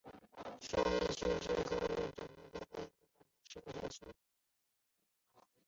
双滦区是河北省承德市下辖的一个市辖区。